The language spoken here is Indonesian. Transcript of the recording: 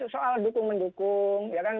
soal dukung mendukung ya kan